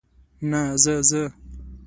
نه، زه، زه.